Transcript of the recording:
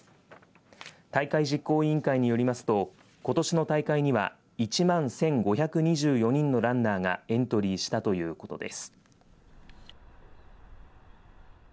大会実行委員会によりますとことしの大会には１万１５２４人のランナーがエントリーしたということです。